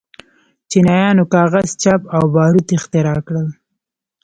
چینایانو کاغذ، چاپ او باروت اختراع کړل.